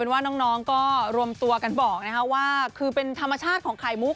ว่าน้องก็รวมตัวกันบอกว่าคือเป็นธรรมชาติของไข่มุก